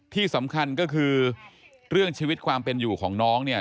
ที่สำคัญก็คือเรื่องชีวิตความเป็นอยู่ของน้องเนี่ย